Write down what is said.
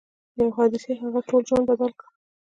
یوې حادثې د هغه ټول ژوند بدل کړ